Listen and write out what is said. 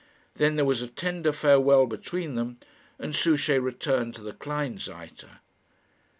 Then there was a tender farewell between them, and Souchey returned to the Kleinseite.